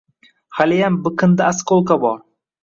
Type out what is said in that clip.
Haliyam biqinda askolka bor!